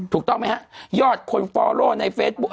ถูกต้องไหมครับ